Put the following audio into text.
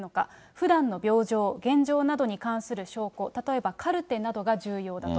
ふだんの病状、現状などに関する証拠、例えばカルテなどが重要だと。